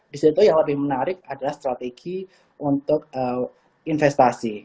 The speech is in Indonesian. di situ yang lebih menarik adalah strategi untuk investasi